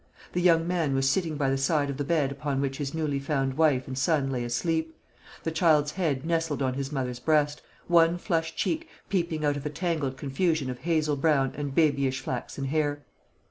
The young man was sitting by the side of the bed upon which his newly found wife and son lay asleep; the child's head nestled on his mother's breast, one flushed cheek peeping out of a tangled confusion of hazel brown and babyish flaxen hair.